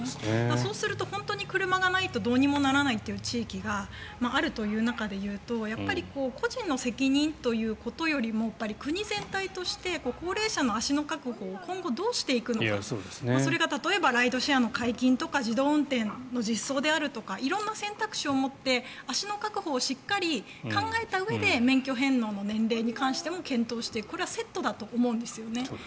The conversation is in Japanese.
そうすると車がないと本当にどうにもならない地域があるという中でいうと個人の責任ということよりも国全体として高齢者の足の確保を今後どうしていくのかそれが例えばライドシェアの解禁とか自動運転の実装であるとか色んな選択肢を持って足の確保をしっかり考えたうえで免許返納の年齢に関しても検討してこれはセットだと思うんですよね。